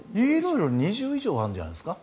色々、２０以上あるんじゃないですか。